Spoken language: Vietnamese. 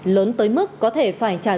lớn tới mức có thể phải đánh giá của các bạn